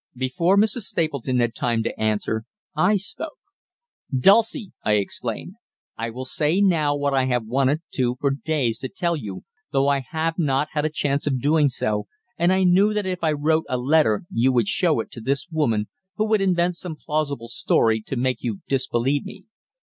Before Mrs. Stapleton had time to answer, I spoke: "Dulcie," I exclaimed, "I will say now what I have wanted for days to tell you, though I have not had a chance of doing so, and I knew that if I wrote a letter you would show it to this woman, who would invent some plausible story to make you disbelieve me.